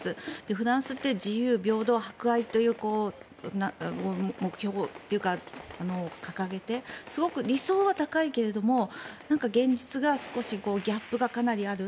フランスって自由、平等、博愛という目標というか、掲げてすごく理想は高いけれども現実が少しギャップがかなりある。